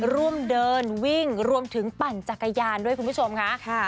ร่วมเดินวิ่งรวมถึงปั่นจักรยานด้วยคุณผู้ชมค่ะ